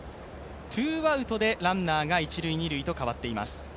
ツーアウトでランナーが一塁・二塁と変わっています。